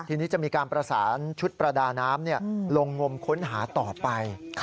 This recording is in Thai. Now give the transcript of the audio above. ทีนี้จะมีการประสานชุดประดาน้ำลงงมค้นหาต่อไป